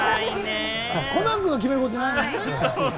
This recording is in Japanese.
コナン君が決めることじゃないよね。